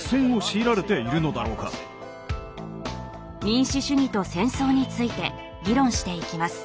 民主主義と戦争について議論していきます。